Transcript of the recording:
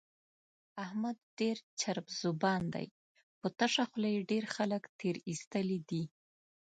احمد ډېر چرب زبان دی، په تشه خوله یې ډېر خلک تېر ایستلي دي.